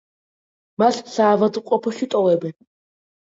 მას საავადმყოფოში ტოვებენ.